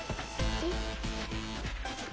えっ！？